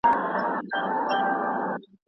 وینو،